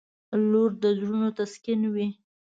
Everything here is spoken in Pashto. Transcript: • لور د زړونو تسکین وي.